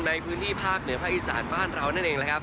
ในพื้นที่ภาคเหนือภาคอีสานบ้านเรานั่นเองแหละครับ